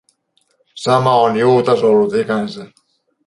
Sama on Juutas ollut ikänsä.